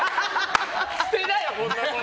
捨てだよ、こんなの！